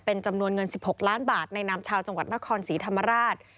เป็นจำนวนเงิน๑๖ล้านบาทในนามชาวจังหวัดนครศรีธรรมราช